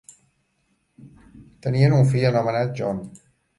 Tenien un fill anomenat John.